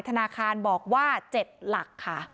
ธนาคารบอกว่า๗หลักค่ะ